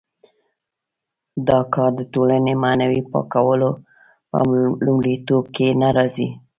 دا کار د ټولنې معنوي پاکولو په لومړیتوبونو کې نه راځي.